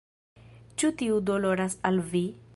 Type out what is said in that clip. Ĉu tio doloras al vi?